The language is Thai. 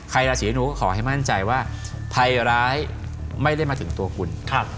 ราศีธนูก็ขอให้มั่นใจว่าภัยร้ายไม่ได้มาถึงตัวคุณ